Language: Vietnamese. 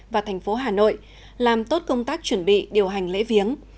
và thành phố hà nội làm tốt công tác chuẩn bị điều hành lễ viếng